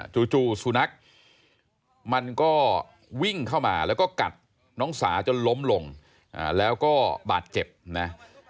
จู่สุนัขมันก็วิ่งเข้ามาแล้วก็กัดน้องสาจนล้มลงแล้วก็บาดเจ็บนะ